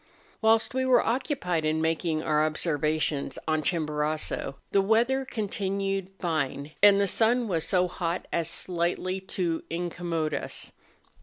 Whilst we were occupied in making our obser¬ vations on Chimborazo the weather continued fine, and the sun was so hot as slightly to incommode us.